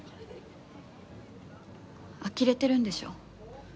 あきれてるんでしょ？